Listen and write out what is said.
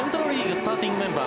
スターティングメンバー